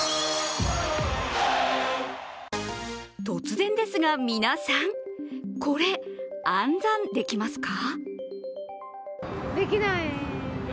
突然ですが、皆さん、これ、暗算できますか？